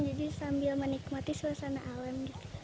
jadi sambil menikmati suasana alam